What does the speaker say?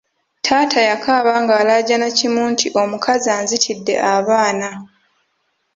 Taata yakaaba ng’alaajana kimu nti omukazi anzitidde abaana.